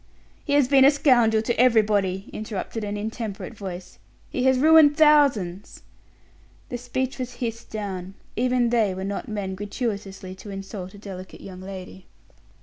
"He has been a scoundrel to everybody," interrupted an intemperate voice; "he has ruined thousands." The speech was hissed down; even they were not men gratuitously to insult a delicate young lady.